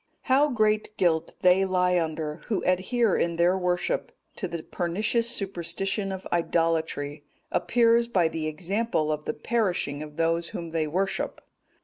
"How great guilt they lie under, who adhere in their worship to the pernicious superstition of idolatry, appears by the examples of the perishing of those whom they worship.